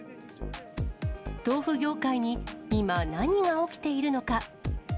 豆腐業界に今、何が起きているのか。